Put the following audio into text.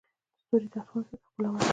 ستوري د اسمان زړه ته ښکلا ورکوي.